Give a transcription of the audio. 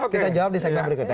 kita jawab di saat yang berikutnya